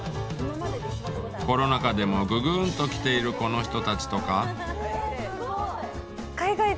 コロナ禍でもググーンと来ているこの人たちとか。